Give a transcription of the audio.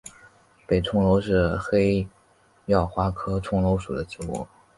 北重楼是黑药花科重楼属的植物。